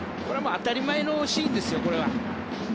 当たり前のシーンですよ。